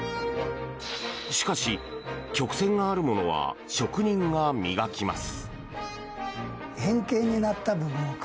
しかし、曲線があるものは職人が磨きます。